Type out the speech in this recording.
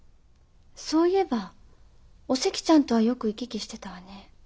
そういえばおせきちゃんとはよく行き来してたわね。